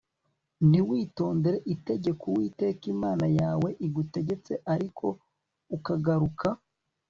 ntiwitondere itegeko Uwiteka Imana yawe igutegetse ariko ukagaruka